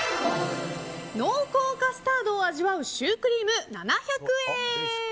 濃厚カスタードを味わうシュークリーム、７００円。